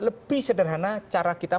lebih sederhana cara kita